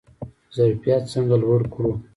ظرفیت څنګه لوړ کړو؟